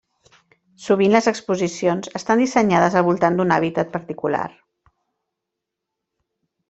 Sovint les exposicions estan dissenyades al voltant d'un hàbitat particular.